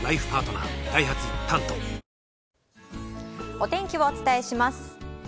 お天気をお伝えします。